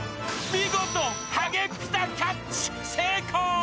見事、ハゲピタキャッチ成功！